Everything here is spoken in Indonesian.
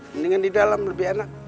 mendingan di dalam lebih enak